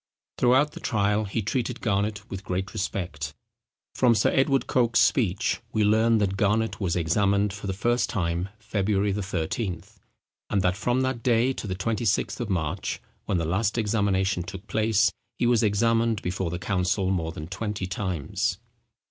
Throughout the trial he treated Garnet with great respect. From Sir Edward Coke's speech we learn, that Garnet was examined for the first time February 13th, and that from that day to the 26th of March, when the last examination took place, he was examined before the council more than twenty times.